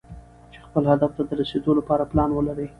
خپل هدف ته د رسېدو لپاره پلان ولرئ.